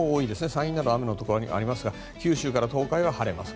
山陰だと雨のところがありますが九州から東海は晴れます。